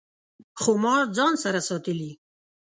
خو ما ځان سره ساتلي